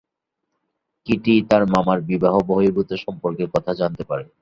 Kitty তার মামার বিবাহ বহির্ভূত সম্পর্কের কথা জানতে পারে।